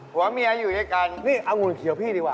หัวเมียอยู่ด้วยกันนี่เอาหุ่นเขียวพี่ดีกว่า